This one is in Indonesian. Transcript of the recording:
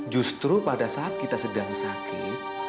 justru pada saat kita sedang sakit